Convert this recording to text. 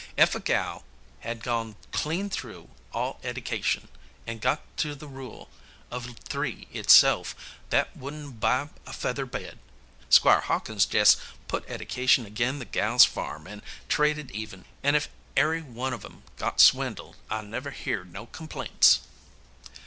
Ef a gal had gone clean through all eddication, and got to the rule of three itself, that would n buy a feather bed. Squire Hawkins jest put eddication agin the gal's farm, and traded even, an' ef ary one of 'em got swindled, I never heerd no complaints."